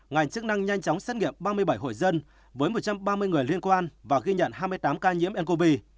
ngành chức năng nhanh chóng xét nghiệm ba mươi bảy hội dân với một trăm ba mươi người liên quan và ghi nhận hai mươi tám ca nhiễm ncov